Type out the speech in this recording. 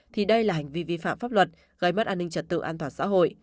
thì đây là hành vi vi phạm pháp luật gây mất an ninh trật tự an toàn xã hội